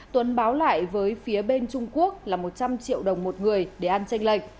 tuấn báo lại với phía bên trung quốc là một trăm linh triệu đồng một người để ăn tranh lệch